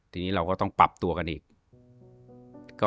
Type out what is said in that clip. ทีนี้เราก็ต้องปรับตัวกันอีก